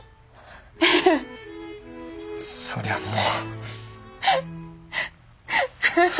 そりゃもう。